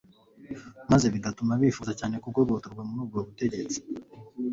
maze bigatuma bifuza cyane kugobotorwa muri ubwo butegetsi.